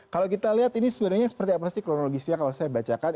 kalau kita lihat ini sebenarnya seperti apa sih kronologisnya kalau saya bacakan